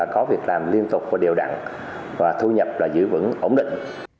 có việc làm liên tục và điều đẳng và thu nhập là giữ vững ổn định